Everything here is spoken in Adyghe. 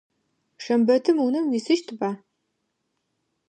Шэмбэтым унэм уисыщтыба?